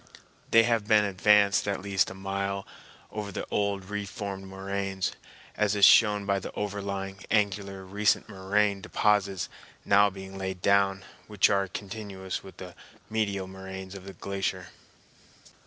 They have been advanced at least a mile over the old re formed moraines, as is shown by the overlying, angular, recent moraine deposits, now being laid down, which are continuous with the medial moraines of the glacier.